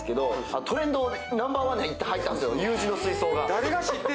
トレンドナンバワンに一旦入ったんですよ、「Ｕ字の水槽」が。